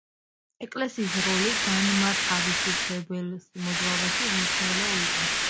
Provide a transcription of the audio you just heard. ეკლესიის როლი განმათავისუფლებელ მოძრაობაში უმნიშვნელო იყო.